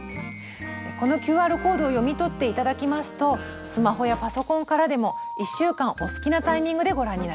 このＱＲコードを読み取って頂きますとスマホやパソコンからでも１週間お好きなタイミングでご覧になれます。